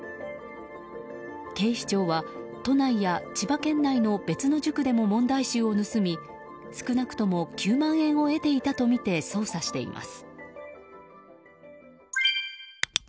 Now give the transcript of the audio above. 警視庁は都内や千葉県内の別の塾でも問題集を盗み、少なくとも９万円を得ていたとみて捜査しています。